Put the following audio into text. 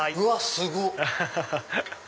すごっ！